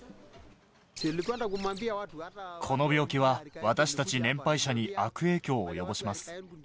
この病気は私たち年配者に悪影響を及ぼします。